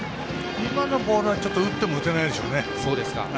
今のボールは打っても打てないでしょうね。